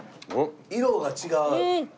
色が違う！